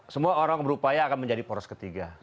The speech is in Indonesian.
semua orang berupaya akan menjadi poros ketiga